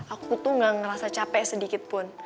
aku tuh gak ngerasa capek sedikitpun